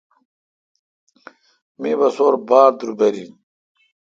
می بسِر باڑدربل این۔